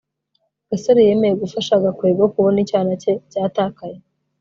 gasore yemeye gufasha gakwego kubona icyana cye cyatakaye